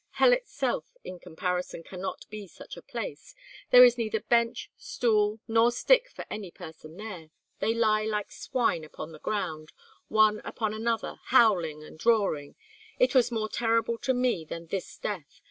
Hell itself in comparison cannot be such a place. There is neither bench, stool nor stick for any person there; they lie like swine upon the ground, one upon another, howling and roaring—it was more terrible to me than this death.